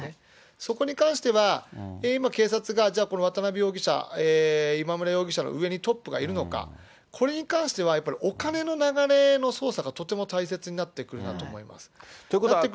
そこに関しては、今警察が、じゃあ、この渡辺容疑者、今村容疑者の上にトップがいるのか、これに関してはやっぱりお金の流れの捜査がとても大切になってくるんだと思います。